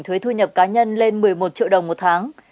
thuế thu nhập cá nhân lên một mươi một triệu đồng một tháng